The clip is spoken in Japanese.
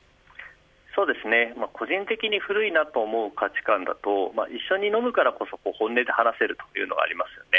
そうですね、個人的に古いと思う価値観だと一緒に飲むからこそ本音で話せるというのがあります。